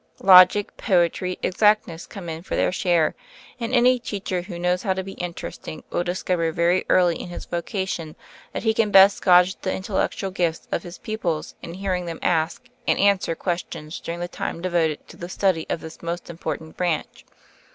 Logic, poetry, exact ness come in for their share; and any teacher who knows how to be interesting will discover very early in his vocation that he can best gauge the intellectual gifts of his pupils in hear ing them ask and answer questions during the time devoted to the study of this most important branch.